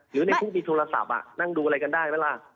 หรือในผู้มีโทรศัพท์นั่งดูอะไรกันได้ไหมล่ะ